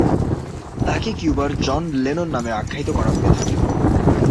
তাকে কিউবার John Lennon নামে আখ্যায়িত করা হয়ে থাকে।